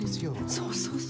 そうそうそう。